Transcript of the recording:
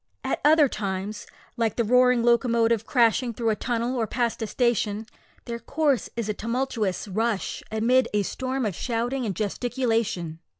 At other times, like the roaring locomotive crashing through a tunnel or past a station, their course is a tumultuous rush, amid a storm of shouting and gesticulation.